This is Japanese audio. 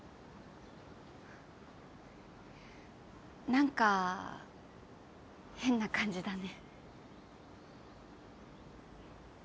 何か変な感じだね。